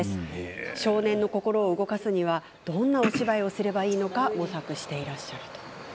少年の心を動かすにはどんなお芝居をすればいいのか模索しています。